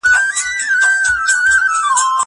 زه اجازه لرم چي درسونه لوستل کړم!